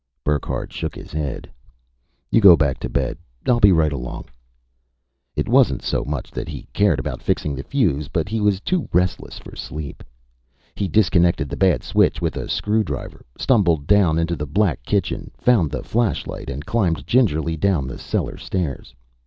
Burckhardt shook his head. "You go back to bed. I'll be right along." It wasn't so much that he cared about fixing the fuse, but he was too restless for sleep. He disconnected the bad switch with a screwdriver, stumbled down into the black kitchen, found the flashlight and climbed gingerly down the cellar stairs.